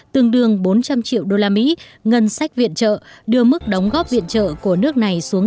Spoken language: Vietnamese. tương đương bốn trăm linh triệu đô la mỹ ngân sách viện trợ đưa mức đóng góp viện trợ của nước này xuống